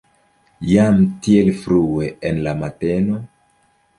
Jam tiel frue en la mateno?